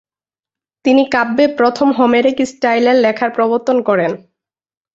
তিনি কাব্যে প্রথম হোমেরিক স্টাইলের লেখার প্রবর্তন করেন।